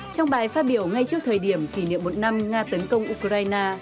trong bài phát biểu ngay trước thời điểm kỷ niệm một năm nga tấn công ukraine